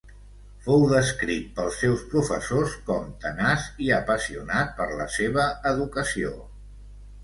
Fou descrit pels seus professors com tenaç i apassionat per la seva educació.